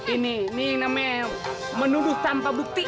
ini ini namanya menuduh tanpa bukti